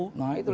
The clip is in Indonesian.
itu lebih bagus